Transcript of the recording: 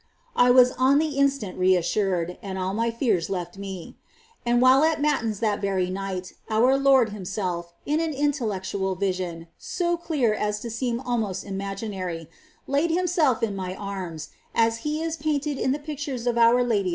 I was on the instant reassured, and all my fears left me ; and while at Matins that very night our Lord Himself, in an intellectual vision so clear as to seem almost imaginary, laid Himself in my arms, as He is painted in the pictures of our Lady of ' A.